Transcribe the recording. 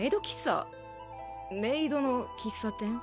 メイドの喫茶店？